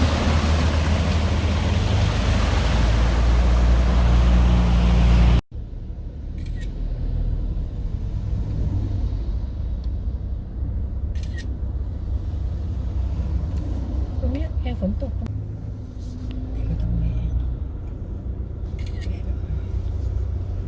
เมื่อเวลาอันดับสุดท้ายจะมีเวลาอันดับสุดท้ายมากกว่า